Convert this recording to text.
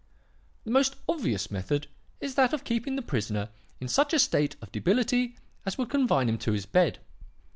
"The most obvious method is that of keeping the prisoner in such a state of debility as would confine him to his bed.